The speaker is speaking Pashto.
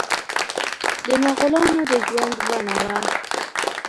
د مغولانو د ژوند بڼه وه.